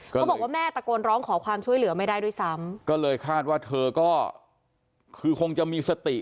เขาบอกว่าแม่ตะโกนร้องขอความช่วยเหลือไม่ได้ด้วยซ้ำก็เลยคาดว่าเธอก็คือคงจะมีสติ